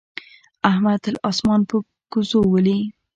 احمد تل اسمان په ګوزو ولي.